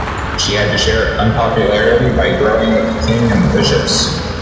He had to share unpopularity, by growing with the King and the bishops.